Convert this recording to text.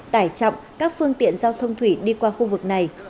tải trọng các phương tiện giao thông thủy đi qua khu vực này